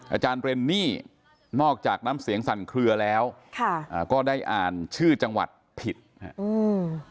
อาจารย์เรนนี่นอกจากน้ำเสียงสั่นเคลือแล้วค่ะอ่าก็ได้อ่านชื่อจังหวัดผิดฮะอืม